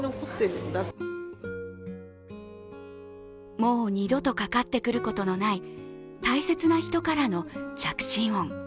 もう二度とかかってくることのない大切な人からの着信音。